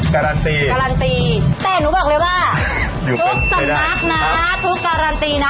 การันตีการันตีแต่หนูบอกเลยว่าทุกสำนักนะทุกการันตีนะ